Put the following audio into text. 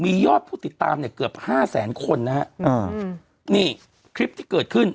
มียอดผู้ติดตามเนี่ยเกือบห้าแสนคนนะฮะอ่านี่คลิปที่เกิดขึ้น